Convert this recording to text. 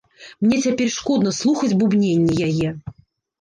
Мне цяпер шкодна слухаць бубненне яе.